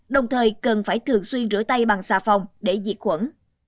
đồng thời cần phải thường xuyên rửa tay bằng xà phòng để diệt khuẩn